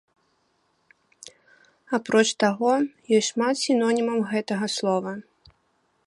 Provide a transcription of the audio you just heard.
Апроч таго, ёсць шмат сінонімаў гэтага слова.